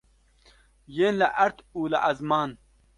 Yên li erd û li ezman.